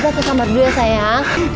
kita ke kamar dulu ya sayang